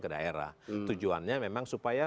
ke daerah tujuannya memang supaya